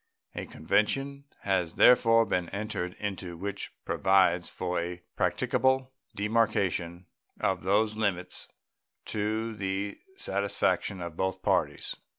A convention has therefore been entered into which provides for a practicable demarcation of those limits to the satisfaction of both parties.